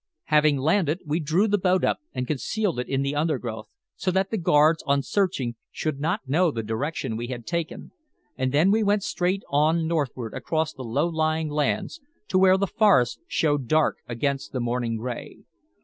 Having landed, we drew the boat up and concealed it in the undergrowth so that the guards, on searching, should not know the direction we had taken, and then we went straight on northward across the low lying lands, to where the forest showed dark against the morning gray.